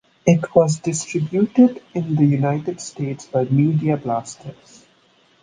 It was distributed in the United States by Media Blasters.